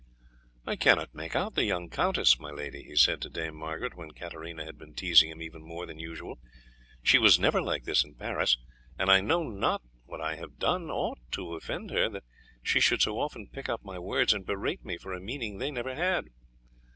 "I cannot make out the young countess, my lady," he said to Dame Margaret when Katarina had been teasing him even more than usual. "She was never like this in Paris, and I know not that I have done aught to offend her that she should so often pick up my words, and berate me for a meaning they never had."